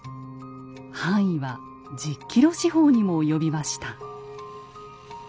範囲は１０ｋｍ四方にも及びました。